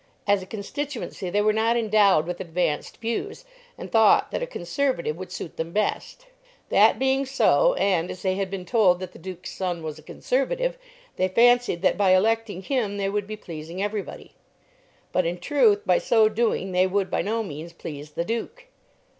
As a constituency they were not endowed with advanced views, and thought that a Conservative would suit them best. That being so, and as they had been told that the Duke's son was a Conservative, they fancied that by electing him they would be pleasing everybody. But, in truth, by so doing they would by no means please the Duke.